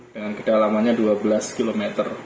dengan kedalamannya dua belas km